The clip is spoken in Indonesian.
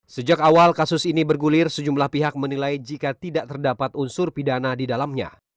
sejak awal kasus ini bergulir sejumlah pihak menilai jika tidak terdapat unsur pidana di dalamnya